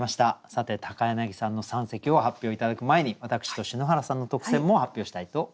さて柳さんの三席を発表頂く前に私と篠原さんの特選も発表したいと思います。